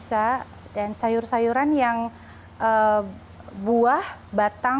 dan sayur sayuran yang buah batang dan sayur sayuran yang buah batang dan sayur sayuran yang buah batang